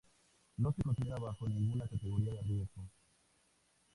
No se considera bajo ninguna categoría de riesgo.